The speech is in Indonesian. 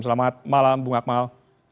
selamat malam bung akmal